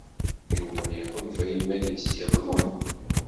Yuba iḥulfa i yiman-nnes yeḍlem.